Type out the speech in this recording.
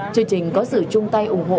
chương trình có sự chung tay ủng hộ